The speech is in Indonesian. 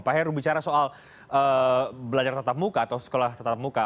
pak heru bicara soal belajar tetap muka atau sekolah tetap muka